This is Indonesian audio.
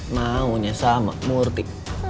maunya sama murti